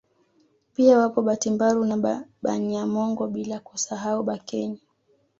Pia wapo Batimbaru na Banyamongo bila kusahau Bakenye